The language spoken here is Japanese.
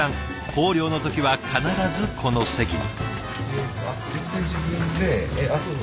校了の時は必ずこの席に。